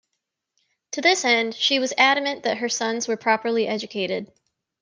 To this end, she was adamant that her sons were properly educated.